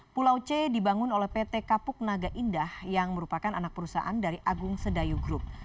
pulau c dibangun oleh pt kapuk naga indah yang merupakan anak perusahaan dari agung sedayu group